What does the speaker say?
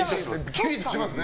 キリッとしますね。